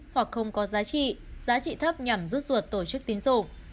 hoặc không có giá trị giá trị thấp nhằm rút ruột tổ chức tín dụng